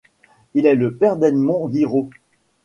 Il est le père d'Edmond Guiraud.